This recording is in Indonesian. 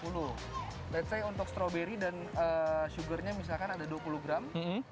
let say untuk strawberry dan sugernya misalkan ada dua puluh gram